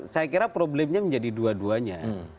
saya kira problemnya menjadi dua duanya